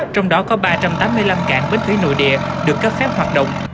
trong đó có ba trăm tám mươi năm cảng bến thủy nội địa được cấp phép hoạt động